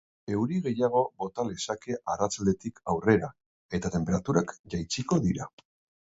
Euri gehiago bota lezake arratsaldetik aurrera, eta tenperaturak jatsiko dira.